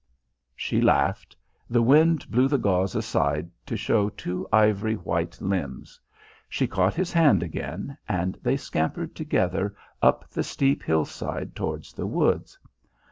She laughed. The wind blew the gauze aside to show two ivory white limbs. She caught his hand again, and they scampered together up the steep hill side towards the woods.